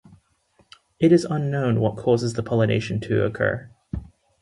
It is unknown what causes the pollination to occur.